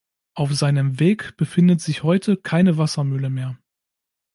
Auf seinem Weg befindet sich heute keine Wassermühle mehr.